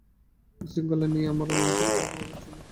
বিশৃঙখলা নিয়ে আমার অনুভূতি খুবই প্রকট ছিল।